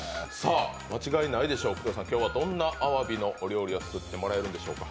間違いないでしょう、工藤さん、今日はどんなあわびの料理を作っていただけるんでしょうか。